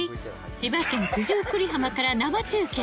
千葉県九十九里浜から生中継！